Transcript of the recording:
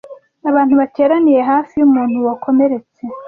Abantu bateraniye hafi y’umuntu wakomeretse,